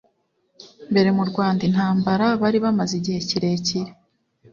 mbere mu rwanda intambara bari bamaze igihe kirekire